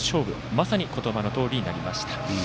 まさに言葉どおりになりました。